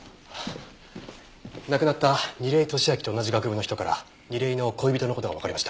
亡くなった楡井敏秋と同じ学部の人から楡井の恋人の事がわかりました。